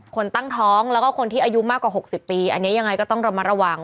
คนตั้งท้องแล้วก็คนที่อายุมากกว่า๖๐ปีอันนี้ยังไงก็ต้องระมัดระวัง